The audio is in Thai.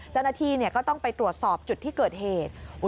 เจ้าหน้าที่ก็ต้องไปตรวจสอบจุดที่เกิดเหตุ